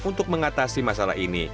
untuk mengatasi masalah ini